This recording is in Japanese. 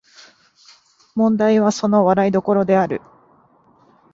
問題はその笑い所である